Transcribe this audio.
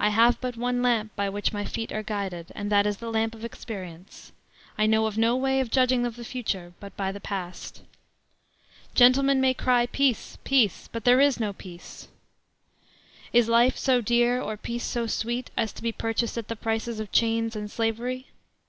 "I have but one lamp by which my feet are guided, and that is the lamp of experience. I know of no way of judging of the future but by the past.~.~.~. Gentlemen may cry peace, peace, but there is no peace.~.~.~. Is life so dear, or peace so sweet, as to be purchased at the price of chains and slavery!